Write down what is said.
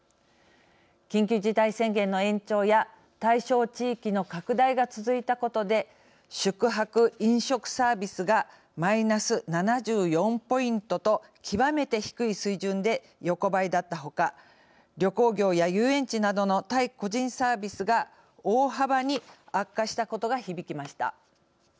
緊急事態宣言の延長や対象地域の拡大が続いたことで宿泊・飲食サービスがマイナス７４ポイントと極めて低い水準で横ばいだったほか旅行業や遊園地などの対個人サービスが大幅に悪化したことが響きました。